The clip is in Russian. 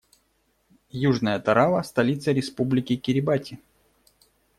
Южная Тарава - столица Республики Кирибати.